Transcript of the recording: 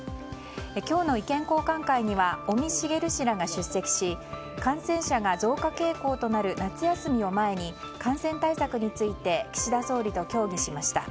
今日の意見交換会には尾身茂氏らが出席し感染者が増加傾向となる夏休みを前に感染対策について岸田総理と協議しました。